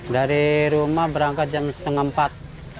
dari rumah berangkat jam setengah empat